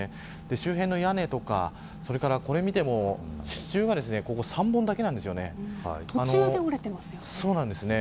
周辺の屋根とかこれを見ても途中で折れていますよね。